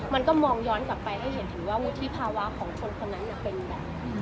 มันก็มองย้อนกลับไปให้เห็นถึงว่าวุฒิภาวะของคนคนนั้นเป็นแบบ